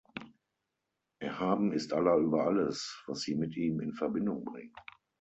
Erhaben ist Allah über alles, was sie mit Ihm in Verbindung bringen.